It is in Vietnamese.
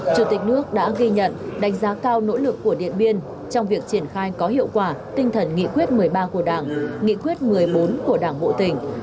chủ tịch nước đã ghi nhận đánh giá cao nỗ lực của điện biên trong việc triển khai có hiệu quả tinh thần nghị quyết một mươi ba của đảng nghị quyết một mươi bốn của đảng bộ tỉnh